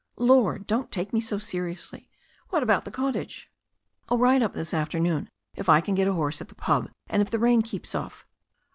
"Lord ! Don't take me so seriously. What about the cot tage?" "I'll ride up this afternoon if I can get a horse at the pub, and if the rain keeps off.